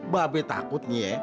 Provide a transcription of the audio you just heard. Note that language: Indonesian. babes takutnya ya